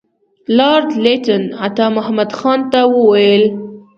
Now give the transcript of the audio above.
لارډ لیټن عطامحمد خان ته وویل.